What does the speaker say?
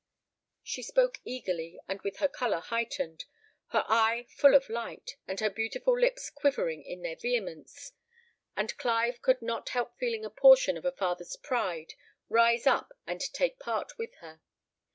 She spoke eagerly, and with her colour heightened, her eye full of light, and her beautiful lips quivering in their vehemence; and Clive could not help feeling a portion of a father's pride rise up and take part with her.